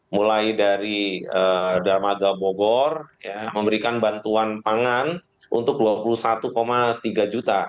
mulai dari darmada bogor memberikan bantuan pangan untuk dua puluh satu tiga juta